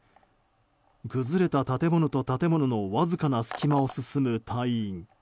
崩れた建物と建物のわずかな隙間を進む隊員。